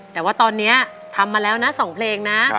แต่ว่าตอนนี้ทำมาแล้วนะ๒เพลงนะ